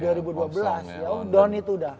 ya udah down itu dah